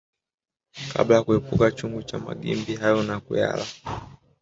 Kabla ya kuepua chungu cha magimbi hayo na kuyala